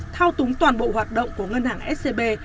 thao túng toàn bộ hoạt động của ngân hàng scb